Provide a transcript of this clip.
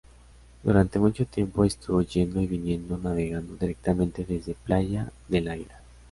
Durante mucho tiempo estuvo yendo y viniendo navegando directamente desde Playa del Águila.